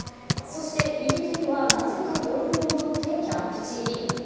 そして、右手にはなぜかボールを持ってキャンプ地入り。